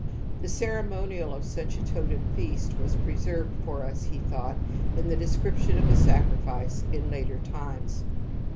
The ceremonial of such a totem feast was preserved for us, he thought, in tfie de scription of a sacrifice in later times.